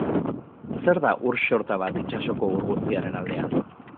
Zer da ur xorta bat itsasoko ur guztiaren aldean?